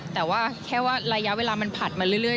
แต่ว่าแค่ว่าระยะเวลามันผัดมาเรื่อย